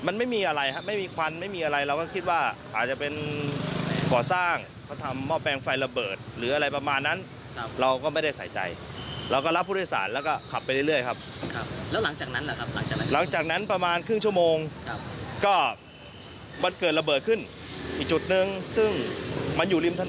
นี่ก็เลยพบว่าเป็นระเบิดจริงนะคะ